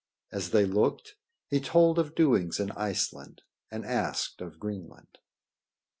As they looked, he told of doings in Iceland and asked of Greenland.